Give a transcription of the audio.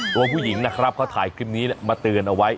ตัวผู้หญิงนะครับเขาถ่ายคลิปนี้มาเตือนเอาไว้